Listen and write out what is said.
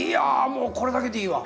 もうこれだけでいいわ！